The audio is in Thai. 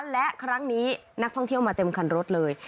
และครั้งนี้นักท่องเที่ยวมาเต็มคันรถเลย